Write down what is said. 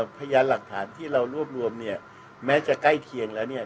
พยานหลักฐานที่เรารวบรวมเนี่ยแม้จะใกล้เคียงแล้วเนี่ย